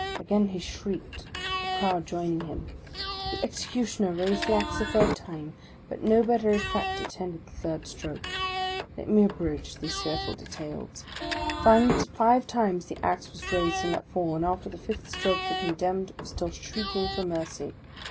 Again he shrieked, the crowd joining him. The Executioner raised the axe a third time, but no better effect attended the third stroke. Let me abridge these fearful details. Five times the axe was raised and let fall, and after the fifth stroke, the condemned was still shrieking for mercy.